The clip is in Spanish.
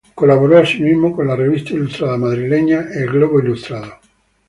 Colaboró asimismo con la revista ilustrada madrileña "El Globo Ilustrado".